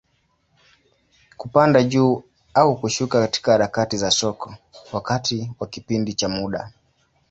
Kupanda juu au kushuka katika harakati za soko, wakati wa kipindi cha muda.